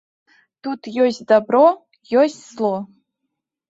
Тут ёсць дабро, ёсць зло.